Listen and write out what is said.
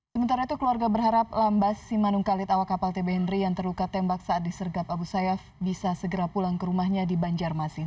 sementara itu keluarga berharap lambas simanung kalit awak kapal tb henry yang terluka tembak saat disergap abu sayyaf bisa segera pulang ke rumahnya di banjarmasin